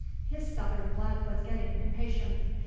His Southern blood was getting impatient.